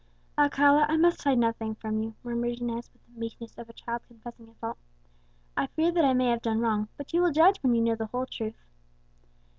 "Alcala, I must hide nothing from you," murmured Inez, with the meekness of a child confessing a fault. "I fear that I may have done wrong, but you will judge when you know the whole truth.